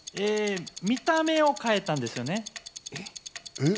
見た目を変えたんですよね。